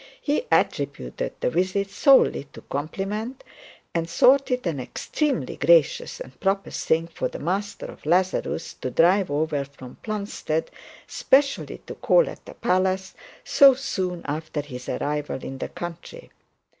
He attributed the visit solely to compliment, and thought it was an extremely gracious and proper thing for the master of Lazarus to drive over from Plumstead specially to call at the palace so soon after his arrival in the country.